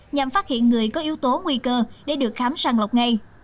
nhằm phát hiện người có yếu tố nguy cơ để được khám sàng lọc ngay